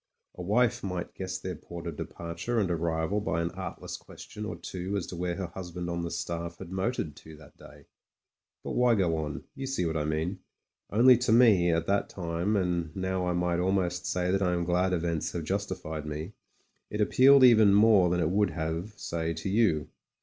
A wife might guess their port of departure and arrival by an artless question or two as to where her husband on the Staff had motored to that day. But why go on ? You see what I mean. Only to me, at that time — ^and now I might almost say that I am glad events have justified me — ^it ap pealed even more than it would have, say, to you.